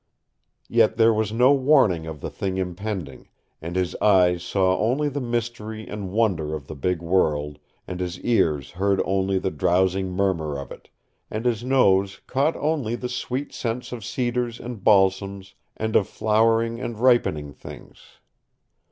Yet there was no warning of the thing impending, and his eyes saw only the mystery and wonder of the big world, and his ears heard only the drowsing murmur of it, and his nose caught only the sweet scents of cedars and balsams and of flowering and ripening things.